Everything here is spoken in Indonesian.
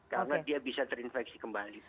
karena dia bisa terinfeksi kembali